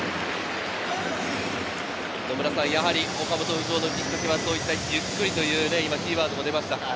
野村さん、やはり岡本浮上のきっかけは、ゆっくりというキーワードも出ましたが。